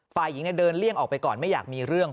ฝ่ายหญิงเดินเลี่ยงออกไปก่อนไม่อยากมีเรื่อง